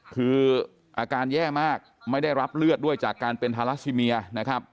คืออาการแย่มากไม่ได้รับเลือดด้วยจากการเป็นทาราซิเมียนะครับ